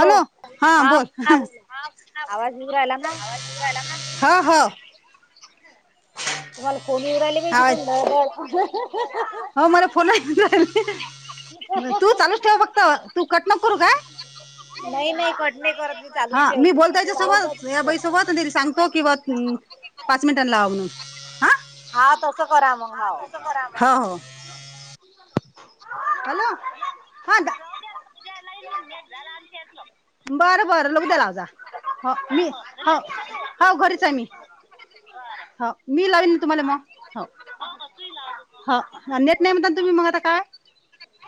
Hello हा बोल आवाज येऊ राहिला ना ह हो. हा हो मला फोन [inaudible] नाही तू चालूच ठेव फक्त तू कट नको करू काय. नाही नाही कट हा मी बोलते याच्यासोबत या बाई सोबत निर सांग तो किंवात हम्म पाच मिनीटांन लावा म्हणून. हा तसं करा मंग. हा तसं करा म ह हो. [inaudible] हॅलो हॅलो हा द राहू द्या. बरं बरं ल उद्या लाव जा. हो मी हो हो घरीच आहे मी. बर हो मी लावेन तुम्हांला म. हो हं नेट नाय म्हणता तुम्ही मग आता काय.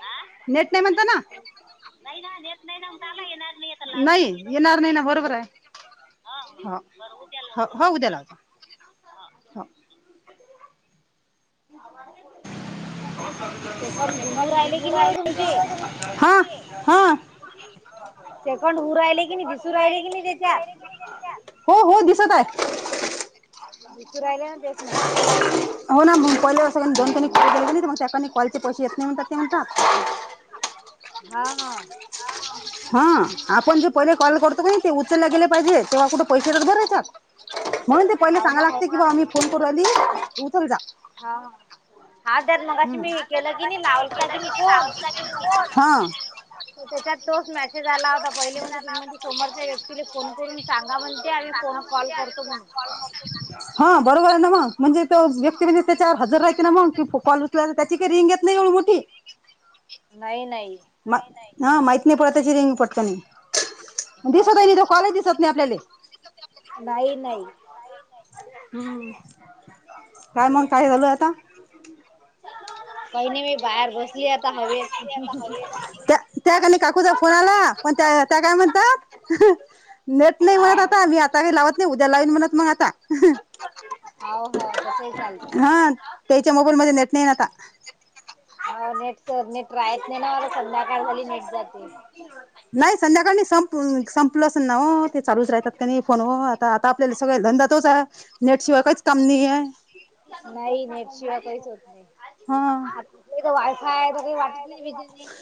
अ नेट नाय म्हणता ना. नाही येणार नाही ना बरोबर हाय. हो हं बर उद्या ला हो उद्या लावतो. हा हो. हा हां त्याखुंड हू राहिले की नाही दिसू राहिले कि नाही त्याच्या. हो हो दिसत आहे. दिसू राहिले ना तेच म्हटलं. हो ना मग कॉलेवर सगळ दोन त्यांनी कॉल केले कणी मग त्या कणी कॉलचे पैसे येत नाही म्हणतात ते म्हणतात. हा हा हा आपण जे पहिले कॉल करतो का नाही ते उचलला गेले पाहिजे तेव्हा कुठे पैसे येतात बर हेच्यात. म्हणून ते पहिले सांगायला लागते की बाबा आम्ही फोन करून आली उचल जा. हम्म हा [inaudible] त्याच्यात तोच मेसेज आला होता पहिले म्हणजे तुम्ही म्हणजे समोरच्या व्यक्तीला फोन करून सांगा म्हणते आम्ही फोन कॉल करतो म्हणून. हा बरोबर आहे ना मग म्हणजे तो व्यक्ती म्हणजे त्याच्यावर हजर राहते ना मग कि कॉल उच त्याची काही रिंग येत नाही एवढी मोठी. नाही -नाही. नाय हा माहीत नायी पडत त्याची रिंग पटकनी. [unintelligible] दिसत आहे तथे कॉलेज दिसत नाही आपल्याले. नाही -नाही. नाही-नाही, हम् काय मग काय चालु आता. काही नाही, मी बाहेर बसली आता हवेत. त्या त्या आणी काकूचा फोन आला पण त्या, त्या काय म्हणता नेट नाही म्हणत आता मी आता काही लावत, नाही उद्या लाविन म्हणत मग आता. हो हो तसही चालतयं. तेच्या मोबाईल मध्ये नेट नाय आता. नेटच नेट ट्राय केल तर संध्याकाळ झाली नेट जाते. [unintelligible] नाही संध्याकाळी नाही संपु-संपल असन ना वो ते चालूच राहतात काणी फोन व आता त. आपल्याला सगळे धंद्या तोच आहो, नेटशिवाय काहीच काम नाहीये. नाही नेट शिवाय काहीच होत नाही. इथे वायफाय आहे त काही वाटत नाही बिजेने [unintelligible]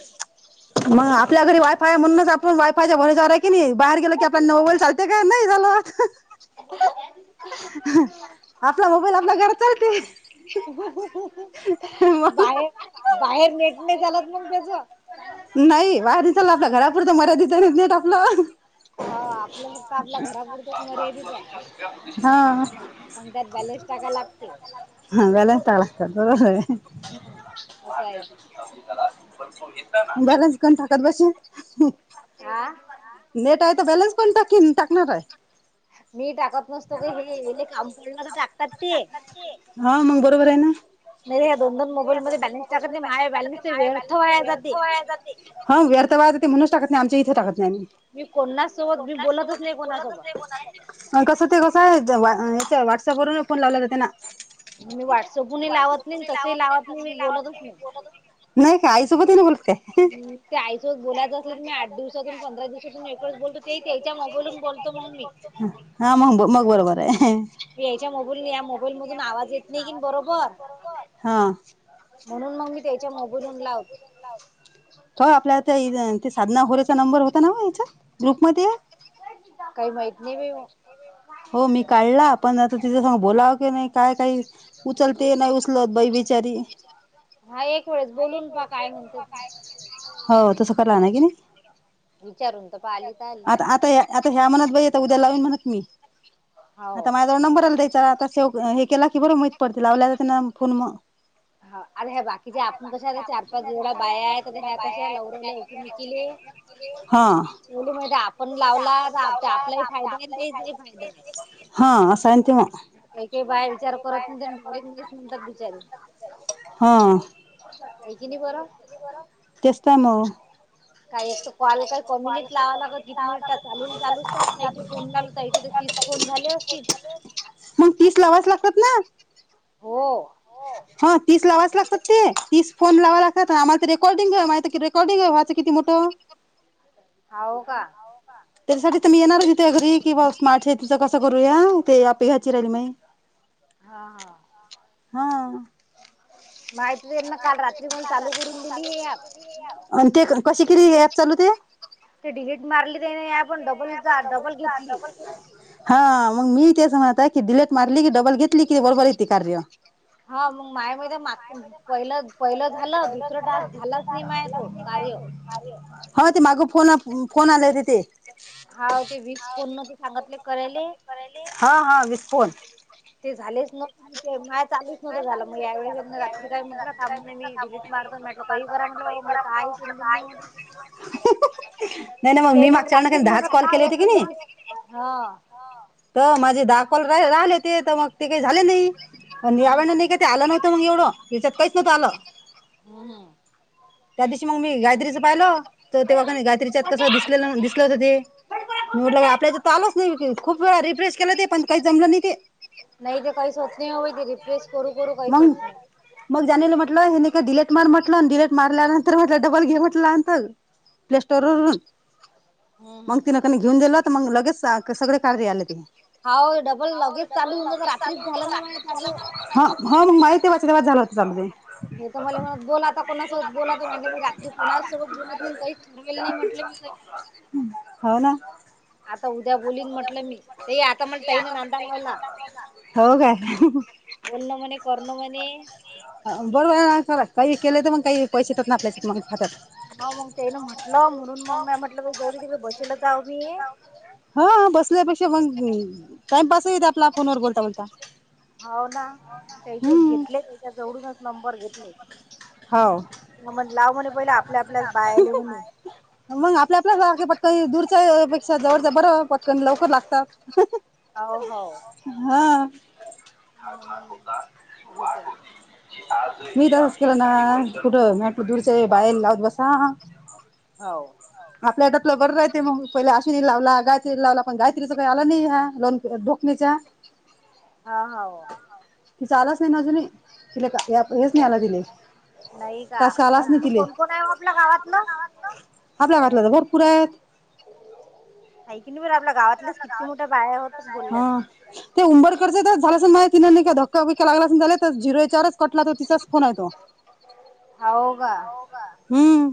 मग आपल्या घरी वायफाय म्हणूनच आपण वायफयच्या भरोशावर आहे की नाही, बाहेर गेलो की आपण मोबाईल चाल नेट काय नाही चालंत, अं हं. [inaudible] अं हं आपला मोबाईल आपलं घरी चालतो की. हु, हु, हु बाहेर -बाहेर नेट नाही चालत मग त्याचं. नाही बाहेर नाही चाल, आपलं घरापुरत मर्यादित नेट ये आपलं. हा आपलं फक्त आपल्या घरापुरतंच मर्यादित ये. पण त्यात बॅलेंस टाकाया लागते. हा बॅलेन्स टाका हम्म, अस आहे ती. बॅलन्स कोण टाकत बसल हा, नेट आहे तर बॅलन्स पण टाकीन टाकणार मी टाकत नसतो ग हे हेले काम पडलं तर टाकतात ते. हा मगं बरोबर आहे ना. अ ह्या दोन- दोन मोबाईल मध्ये बॅलेन्स टाकत नाही मायल बॅलेन्स तर व्यर्थ वाया जाते. ह वर्थ वाया जाते म्हणूनच टाकत नाही, आमच्या इथे टाकत नाही आम्ही. मी कोणा सोबत बी बोलतच नाही कोणासोबत. मंग कसं ते कसं आहे, जेव्हा व्हॉट्सअप वरून फोन लावला जात ना मी व्हाट्सअप हून ही लावत नाही, अन् तसही लावत नाही बोलतच नही. नाही का, आईसोबत ही नाही बोलत काय? ते आईसोबत बोलायचं असलं त मी आठ दिवसातून, पंधरा दिवसातून एकवेळेस बोलतो ते ही ते त्या मोबाईल वरून बोलतो मग मी. हा मग मग बरोबर आहे. याच्या मोबाईल या मोबाईल मधून आवाज येत नाही कि, बरोबर हा. म्हणून मग मी त्याच्या मोबाईल वरून लावते. क आपल्याला त्या हिचा त्या साधना गोरेचा नंबर होता ना याच्यात ग्रुपमध्ये. काही माहित नाही बी हो. हो मी काढला. पण आता तिचा संग बोलावं कि, नाही काय काही उचलते नाही उचलत बाई बिचारी. हा, एक वेळेस बोलून पहा काय म्हणते ती. हो, तसं करायला लागल की, नाही. विचारून तपा''--'' विचारून बघ आता आता आता ह्या म्हणत बाई येत उद्या लावन म्हणत मी'' आता माझ्याजवळ नंबर आला तीच आता सेव हे केला की, बरं माहित पडते लावल्या जात ना फोन मग. [unintelligible] हा, दोघी मध्ये आपण लावला तर आपलाही फायदा आहे. त्याचाही फायदा आहे. ''हां'' अस हाय ना, काही काही बाया विचार करत नाही [unintelligible] म्हणतात बिचारी हा, हाय की नाही बरं. तेच तर मग. काय एक तर कॉल काही कमीनीट लावा लागत किथ चालू चालूच फोनला. ताईचे तर तीस फोन झाले असतील. मग तीस लावायच लागतात ना. हो, हो, ह तीस लावावच लागतात ते तीस फोन लाव लागातत आम्हाला रेॉर्डिंग माहिती रेकॉर्डिंग व्हाचं किती मोठं. होव का, त्यासाठी तर मी येणारच तुज्या घरी की, स्मार्ट सिटतीचं कसं करूया ते आपे ह्याची राहिली माइ. हा हा, हा, मैत्रीण काल रात्री पण चालू करून दिली या. आणि ते कशी केली ऍप चालू ते. टिकेट मारली त्या नाही आपण [inaudible] डबलबल क हा मग मी ते असं म्हणत आहे की. डिलेट मारली की. डबल घेतली कि, ते बरोबर येते कार्य. हा मग मायमध्ये मगते. पहिलं पहिलं झालं दुसरं टास्क झाला स निमा आहे तो कार्य. आर्य. ह, ते माग फोन फोन आलेते ते. हा, ते वीस पूर्ण ते सांगतले केराले. ते झालेच न. ते माया चालूच नव्हतं झाला मग यावेेळेस त्यांना रात्री काय म्हटलं थांब मी डलीट मारतो. कोई बरा काय तु [inaudible] हा [inaudible] त माझे दाखोल रा राहिले ते तर मग ते काही झाले नाही. पण यावेेळे नाही का ते आलं नव्हतं मग एवढं त्याच्यात काहीच नव्हतं आलं. हम, त्या दिवशी मग मी गायत्रीचं पाहिलं. तर तेव्हा का नाही गायत्रीच्यात कसं दिसलेलं म दिसलंतं ते, मी म्हटलं आपल्याच्यात त आलंच नाई. खूप वेळा रिफ्रेश केलं ते पण काही जमलं नाही ते. नाई ते काहीच होत नाई ओ बाई. मंग? मंग जाणीले म्हटलं, [unintelligible] का डिलेट मार म्हटलं, डिलेट मारल्यानंतर म डबल घे म्हटलांत. प्ले स्टोरूरन, मंग तिनंकनी घिऊन देलं त मग लगेच सगळे कार्य आलेत. हाओ, डबल लगेच चालू होतं तर रात्रीच झालं ना मया चालू. ह हं माहिती वा तेवाचं तेवाच झालंतं चालू ते. [inaudible] [inaudible] हो ना. आता उद्या बोलीन म्हटलं मी, ते आता म्हण तही नांदा भवला बोल ण मने कर न मणे बर्र [unintelligible] काही केले तर मंग काही पैशे तेत असते ना मंग खात्यात. हो मग त्यानं म्हटलं, म्हणून मग म्या म्हटलं गौरी तिकडं भशेला जाउन ये हा बसल्यापेक्षा मंग टाइमपासई हेतो आपला फोन वर बोलता बोलता. हौना, त्याचेच घेतले त्याच्या जवूनच नंबर घेतले. ह लाव म्हणे पहिले आपल्या आपल्या बायेलून मंग आपल्या आपल्या पटक दूरच्या पेक्षा जवळच्या बरं पटकन लवकर लागतात. हह. हाव हाव. हा, [inaudible] [unintelligible] ना कुठं दूरच बाहेर [inaudible] होव. आपल्या इथं बरं राहेते मंग पहिले अश्वनी लावला, गायत्रीला लावला, पण गायत्रीचा काही आला नाही हा दोन [unintelligible] तिचा हा आव तिचा आलाच नाही ना अजूनी तिला हे हेच नाही यायला दिले नायी हा, आणकी कोण कोण हायओ आपल्या गावातलं? [unintelligible] हैकी नाई बरं आपल्या गावातल्याच कित्ती मोठ्या बाया होत्यात बोलल्यात ते उंबरकरचं झालं असंल म तिने नायका धक्का बिक्का लागला झाले तर झिरो एच्यावरच कटला त तिचाच फोन एतो. हाओ का? हम्,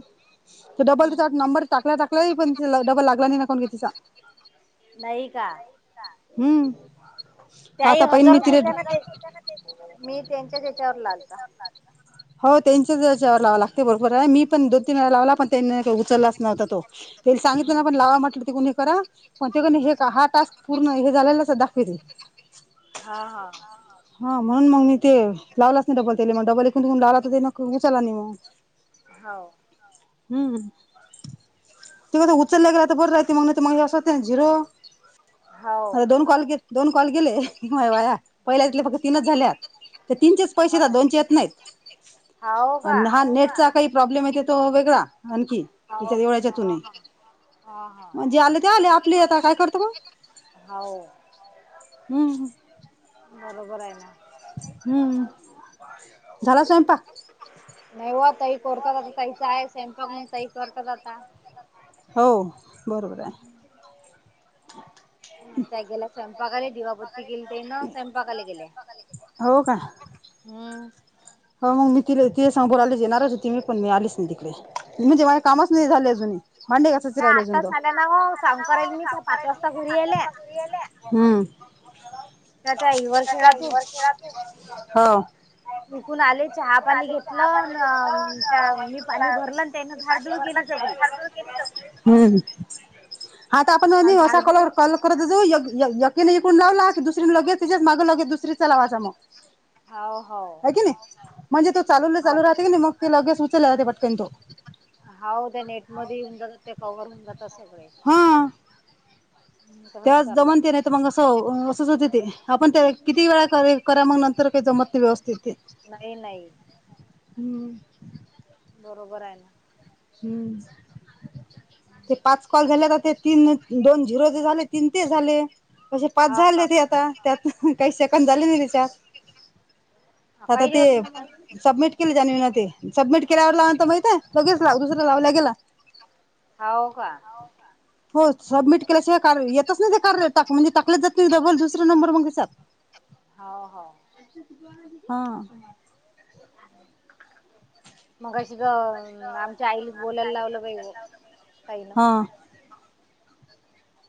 ते डबल देतात, नंबर टाकला टाकलायी पण डबल लागला नाइ ना [unintelligible] तिचा. नाही [unintelligible] हम्म. त्याही हजरच होत्या ना त्येनी मीही त्यांच्याच हेच्यावर लावला. ह हो त्यांच्याच हेच्यावर लावावं लागते बरोबराय, मी पण दोन तीन वेळला लावला पण त्यांनीही उचललाच नव्हता तो. तरी सांगितलं ना पण लावा म्हटलं ते कुणी करा पण ते कणी, हे हा टास्क पूर्ण हे झालेलाच दाखविते. हा हा. हा, म्हणून मंग मी ते लावलाच नाई डबल तेले, मंग डबल इकून तिकून लावला तर तेनं उचलला नायी म [unintelligible] हाव. हम्म तेनी उचलल्या गेला तर बर राहते मग नाहीतर मग हे असं झिरो दोन कॉल गे दोन कॉल गेले वाया पहिला फक्त तिनच झाल्यात तिनचेच पैसे येतात दोनचे येत नाहीत अन हा नेटचा काही प्रॉब्लेम येतो तो वेगळा आणखी, हाव हा हा हा हा. ती आता काय करतो ग? हाव हम्म. बरोबर आहे ना. हम्म, झाला स्वयंपाक? नाही हो ताई करतात आता ताई काय स्वयंपाक म्हणून ताई करतात आता, हो बरोबर आहे. हो का. हम् हो मग मी तिले ते समोर आलीच येणारच होती मी पण मी आलीच नाही तिकडे. [unintelligible] कामच नाही झाले अजून भांडी घासायचं राहिले अजून जरा आताच झाल ना ओ काम करायच. [unintelligible] हम्म हो ते आले चहा पाणी घेतलं पाणी भरलं तेव्हापासून हम्म आता आपण हानी असा कॉलवर कॉल करत जाऊ य एक एकीने इकडून लावला की दुसरीने लगेच त्याच्या मागं मागं लोगेच दुरीचा लावाचा मग. हाव हो. हे कणी म्हणजे तो चालून चालू राहते की मग ते लगेच उचलला जातो पटकन तो. हा हो त्या नेट मध्ये येऊन जातात ते कवर होऊन जातात सगळे. तेव्हाच जमन ते नाही तर मग असं असंच होतेत ते आपण ते किती वेळा क करा मग नंतर काही जमत नाही व्यवस्थित ते, नाही नाही हम्म बरोबर आहे ना हम्म ते पाच कॉल झाले तर ते तीन दोन झिरो झाले तीन ते झाले अस पाच झाले ते आता त्यात काही सेकंद झाले नाही त्याच्यात, आता ते सबमिट केले जावे ना ते सबमिट केल्यावर लावला तर माहितय लगेच ते अजून दुसरा लावला गेला. हाव का हाव का? हो सबमिट केल्याशिवाय कार्य येतच नाही ते कार्य म्हणजे टाकले जात नाही डबल दुसरं नंबर मग दिसत [unintelligible] हाव हाव हा. मगाशी गं आमच्या आईला बोलायला लावलं बाई मग, [unintelligible]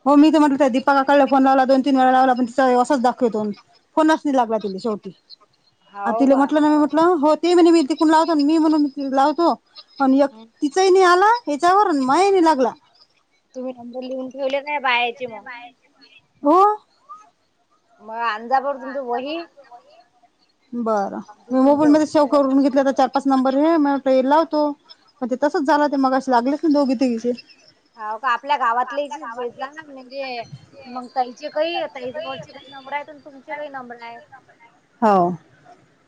हो मी ते म्हटलं त्या दिपा काळल फोन लावला दोन तीन वेळा लावला पण तिचा व्यस्तच दाखवतो. फोनच नाही लागला तिले शेवटी. अ तिला म्हटलं ना मी म्हटलं हो ते म्हणे मी तिकून लावतो मी म्हणू इकडून लावतो. अन् एक तिचाही नाही आला हेच्यावर मया ही नाही लागला. तुम्ही नंबर लिहून ठेवले नाही बायाचे मग? हो. मग अंजा बर बर मी मोबाईल मध्ये शेव करून घेतला आता चार. पाच नंबर हे मला म्हटले लावतो, पण ते तसंच झाला ते मगाशी लागलेच नाही दोघी तिघीचे. होव का आपल्या गावातल्यालेचेच घेतला ना म्हणजे, मग ताईचे काही ताईजवळचे काही नंबरं आहेत तून तुमचे काही नंबरं आहेत. हो.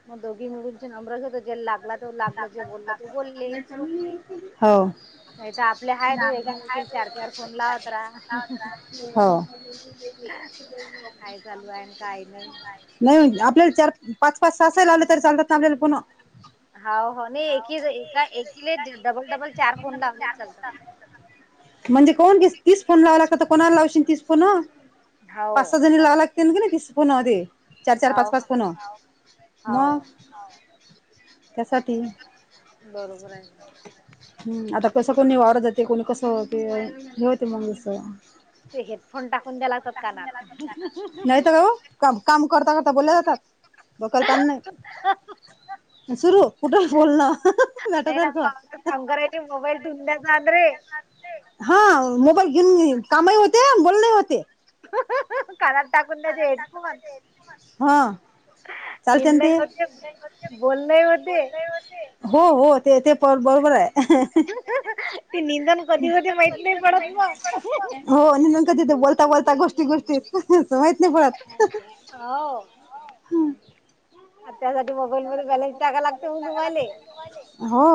मग दोघी मिळून नबरं जेल लाग लागला तर लागलं जे बोललं ते बोलले. नाही तर आपले आहेतच ऐकीमेकींला चार, चार फोन लावत राहा‌. काय चालू आहे आणि काय नाही? नाही होय आपल्याला चार, पाच- पाच, सहा-सहाही लावले तरी चालतात ना आपल्याला फोनं. हा हो नाही एकी एका एकीले डबल, डबल चार फोन लावले चालतात. म्हणजे कोण तीस फोन लावा लागतात कोणाला लावशील तीस फोनं पाच सहा जणी लावा लागती? तील कि नाही तीस फोनं होते चार -चार, पाच- पाच फोनं मग त्यासाठी. बरोबर आहे. हूं आता कसं कोणी वावरात जाते, कोणी कसं होते हे होते मगं असं. ते हेडफोन टाकून दया लाचत कानात. का काम करता करता बोले जातात डोक्याला ताण नाही सुरू‌. कुठं बोल ना [unintelligible] शंकराचे मोबाईल टुनल्या जात रे. हा मोबाईल घेऊन कामंही होते, बोलणंही होते. कानात टाकून द्यायचे हेडफोन. हा. निदं हि होते, बोलणंही होते. हो हो ते ते प बरोबर आहे. ती निंदन कधी होते माहित नाही पडत वो. हो आणि निनदंन कधी होते बोलता, बोलता गोष्टी गोष्टी माहित नाही पडत. हाव. त्यासाठी मोबाईल मध्ये बॅलन्स टाकाय लागते हो तुम्हांले. हो.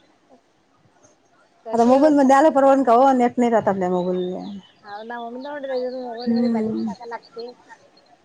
[inaudible] आता मोबाईल मध्ये दयायला परवडीन का नेट नाही राहत आपल्या मोबाईलमध्ये. लावू [unintelligible] मोबाईलमध्ये बॅलन्स टाकावं लागते.